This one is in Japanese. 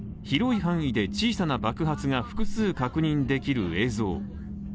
広い範囲で小さな爆発が複数確認できる映像。